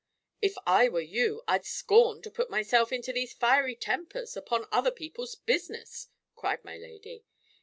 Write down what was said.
"If I were you, I'd 'scorn' to put myself into these fiery tempers, upon other people's business," cried my lady.